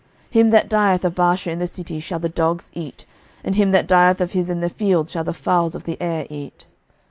11:016:004 Him that dieth of Baasha in the city shall the dogs eat; and him that dieth of his in the fields shall the fowls of the air eat.